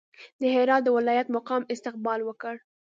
د هرات د ولایت مقام استقبال وکړ.